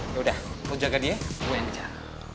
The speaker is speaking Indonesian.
ya udah lo jaga dia ya gue yang jaga